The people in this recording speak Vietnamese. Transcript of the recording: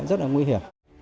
rất là nguy hiểm